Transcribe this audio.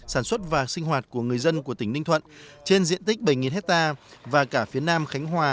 sản xuất và sinh hoạt của người dân của tỉnh ninh thuận trên diện tích bảy hectare và cả phía nam khánh hòa